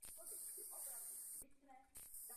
Kaple má jeden hlavní a dva boční oltáře.